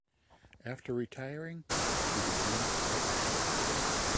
After retiring, he became a coach.